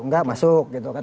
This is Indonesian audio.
enggak masuk gitu kan